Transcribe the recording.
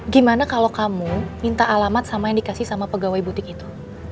gimana kalau kamu minta alamat sama yang dikasih sama pegawai butik itu